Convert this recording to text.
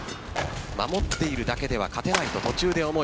守っているだけでは勝てないと途中で思い